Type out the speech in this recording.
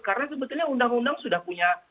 karena sebetulnya undang undang sudah punya